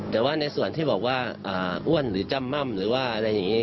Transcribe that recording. แต่ว่าในส่วนที่บ่วนหรือจับม่ำว่าอะไรอย่างนี้